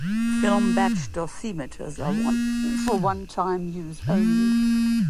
Film badge dosimeters are for one-time use only.